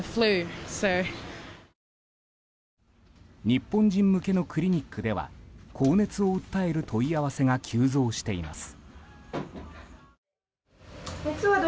日本人向けのクリニックでは高熱を訴える問い合わせが急増しています。